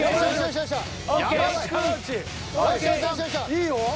いいよ。